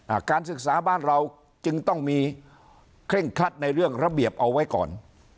การศึกษาบ้านเราจึงต้องมีเคร่งครัดในเรื่องระเบียบเอาไว้ก่อน